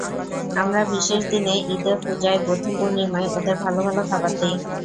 আমরা বিশেষ দিনে, ঈদে, পূজায়, বৌদ্ধ পূর্ণিমায় ওদের ভালো ভালো খাবার দিই।